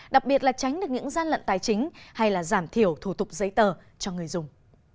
đặc biệt là tránh được những gian lận tài chính hay là giảm thiểu thủ tục giấy tờ cho người dùng